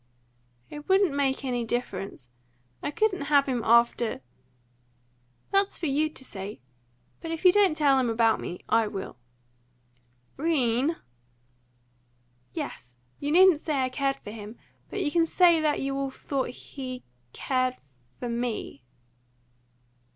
"It wouldn't make any difference. I couldn't have him after " "That's for you to say. But if you don't tell him about me, I will." "'Rene!" "Yes! You needn't say I cared for him. But you can say that you all thought he cared for me."